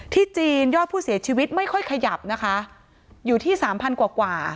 จีนยอดผู้เสียชีวิตไม่ค่อยขยับนะคะอยู่ที่สามพันกว่า